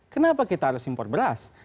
kenapa kita harus impor beras